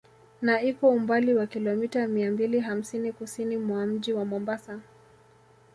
Na iko umbali wa Kilometa mia mbili hamsini Kusini mwa Mji wa Mombasa